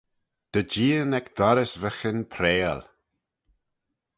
Dy jeean ec dorrys vyghin prayal.